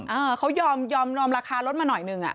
แต่เขายอมราคารถูกมาหน่อยหนึ่ง